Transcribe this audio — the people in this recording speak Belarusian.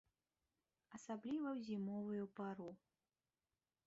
Асабліва ў зімовую пару.